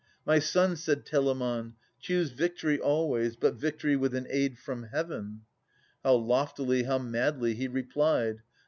" My son," said Telamon, " choose victory Always, but victory with an aid from Heaven." How loftily, how madly, he replied